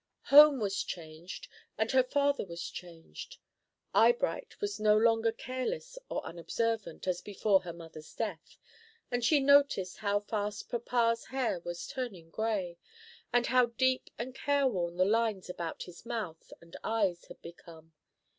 Home was changed and her father was changed. Eyebright was no longer careless or unobservant, as before her mother's death, and she noticed how fast papa's hair was turning gray, and how deep and careworn the lines about his mouth and eyes had become.